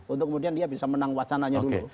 untuk kemudian dia bisa menang wacananya dulu